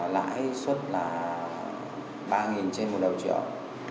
lãi suất là ba trên một đầu triệu